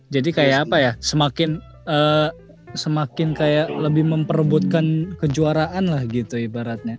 jadi kayak apa ya semakin kayak lebih memperebutkan kejuaraan lah gitu ibaratnya